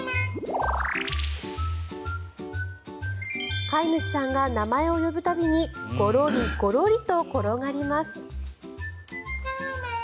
飼い主さんが名前を呼ぶ度にゴロリ、ゴロリと転がります。